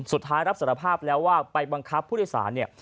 สุดท้ายรับสารภาพแล้วว่าไปบังคับผู้โดยสารเนี่ย